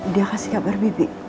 dia kasih kabar bibi